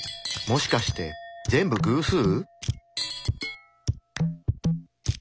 もしかして全部偶数？